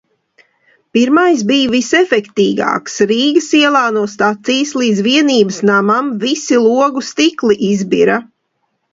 Pirmais bij visefektīgāks Rīgas ielā no stacijas līdz Vienības namam, visi logu stikli izbira.